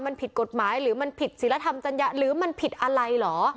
มันผิดกฎหมายหรือมันผิดศิลธรรมจัญญาหรือมันผิดอะไรเหรอ